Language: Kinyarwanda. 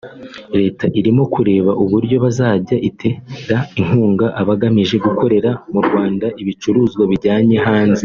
leta irimo kureba uburyo yazajya itera inkunga abagamije gukorera mu Rwanda ibicuruzwa bijyanwa hanze